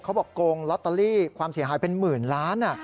โกงลอตเตอรี่ความเสียหายเป็นหมื่นล้าน